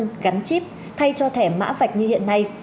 thẻ căn cước công dân gắn chíp thay cho thẻ mã vạch như hiện nay